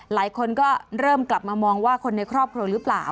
หลายคนก็เริ่มกลับมามองว่าคนในครอบครัวหรือเปล่า